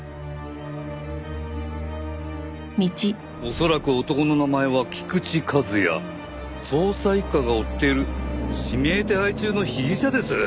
「恐らく男の名前は菊池和哉」「捜査一課が追っている指名手配中の被疑者です」！？